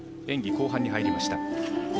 演技、後半に入りました。